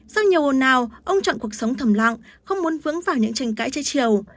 sau nhiều hồn nào ông chọn cuộc sống thầm lặng không muốn vướng vào những tranh cãi chơi chiều